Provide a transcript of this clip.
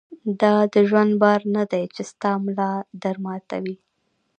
دا دژوند بار نۀ دی چې ستا ملا در ماتوي